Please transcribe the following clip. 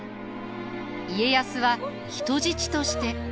家康は人質として。